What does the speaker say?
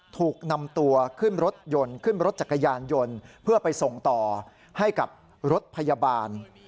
ถูกนำตัวขึ้นรถยนต์ขึ้นรถจักรยานยนต์เพื่อไปส่งต่อให้กับรถพยาบาล